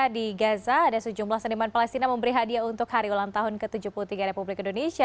di gaza ada sejumlah seniman palestina memberi hadiah untuk hari ulang tahun ke tujuh puluh tiga republik indonesia